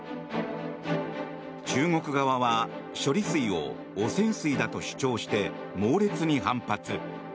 中国側は、処理水を汚染水だと主張して猛烈に反発。